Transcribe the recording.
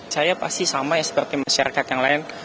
saya pasti sama ya seperti masyarakat yang lain